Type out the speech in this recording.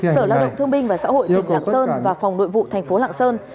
sở lao động thương binh và xã hội tỉnh lạng sơn và phòng nội vụ thành phố lạng sơn